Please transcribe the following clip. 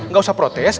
nggak usah protes